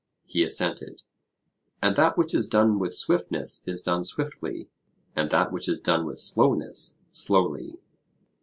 He assented. And that which is done with swiftness is done swiftly, and that which is done with slowness, slowly?